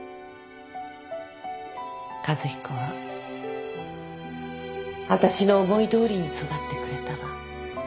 和彦はわたしの思いどおりに育ってくれたわ。